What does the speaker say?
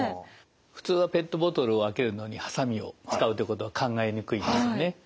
普通はペットボトルを開けるのにハサミを使うということは考えにくいですよね。